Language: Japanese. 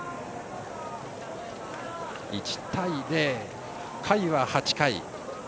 １対０、回は８回。